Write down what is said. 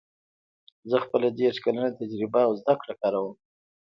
زه خپله دېرش کلنه تجربه او زده کړه کاروم